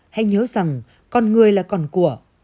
hãy nhớ rằng con người là con của